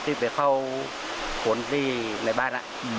ที่ไปเข้าขนที่ในบ้าน